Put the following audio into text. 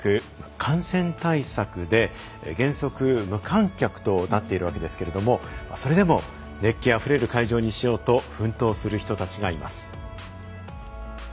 感染対策で原則無観客となっているわけですけれどそれでも熱気あふれる会場にしようと奮闘する人たちがいます。